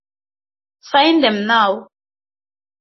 Sign them now.